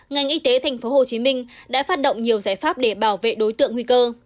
ngành y tế tp hcm đã phát động nhiều giải pháp để bảo vệ đối tượng nguy cơ